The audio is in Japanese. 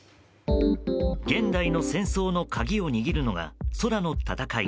現代の戦争の鍵を握るのが空の戦い。